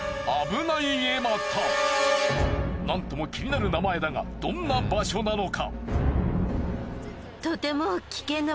なんとも気になる名前だがどんな場所なのか？